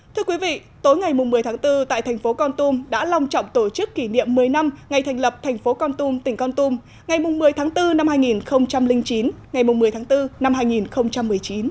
thưa quý vị tối ngày một mươi tháng bốn tại thành phố con tum đã lòng trọng tổ chức kỷ niệm một mươi năm ngày thành lập thành phố con tum tỉnh con tum ngày một mươi tháng bốn năm hai nghìn chín ngày một mươi tháng bốn năm hai nghìn một mươi chín